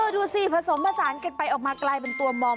ดูสิผสมผสานกันไปออกมากลายเป็นตัวมอม